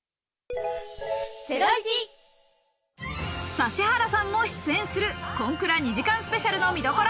指原さんも出演する『今夜くらべてみました』２時間スペシャルの見どころ。